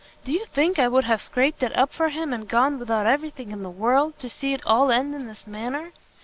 do you think I would have scraped it up for him, and gone without every thing in the world, to see it all end in this manner?